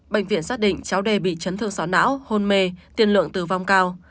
bệnh viện xác định cháu d bị chấn thương sọ não hôn mê tiền lượng tử vong cao